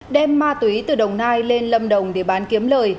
đem ma túy từ đồng nai lên lâm đồng để bán kiếm lời